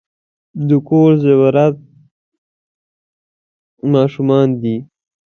د کور زیورات ماشومان دي .